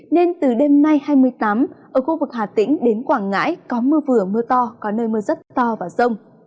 nên từ đêm nay hai mươi tám ở khu vực hà tĩnh đến quảng ngãi có mưa vừa mưa to có nơi mưa rất to và rông